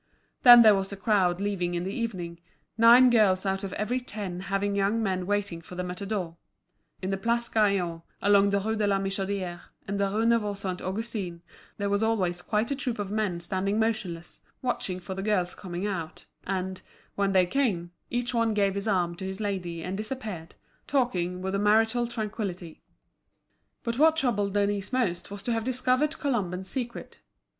Then there was the crowd leaving in the evening, nine girls out of every ten having young men waiting for them at the door; in the Place Gaillon, along the Rue de la Michodière, and the Rue Neuve Saint Augustin, there was always quite a troop of men standing motionless, watching for the girls coming out; and, when they came, each one gave his arm to his lady and disappeared, talking with a marital tranquillity. But what troubled Denise most was to have discovered Colomban's secret.